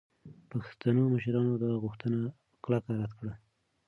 پښتنو مشرانو دا غوښتنه په کلکه رد کړه.